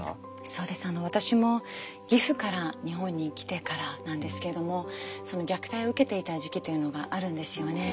そうです私も義父から日本に来てからなんですけれども虐待を受けていた時期というのがあるんですよね。